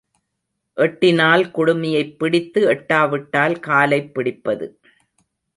எட்டினால் குடுமியைப் பிடித்து எட்டாவிட்டால் காலைப் பிடிப்பது.